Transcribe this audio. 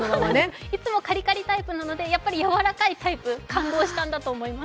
いつもカリカリタイプなので、やっぱり柔らかいタイプ、感動したんだと思います。